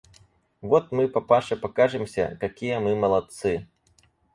Вот мы папаше покажемся, какие мы молодцы!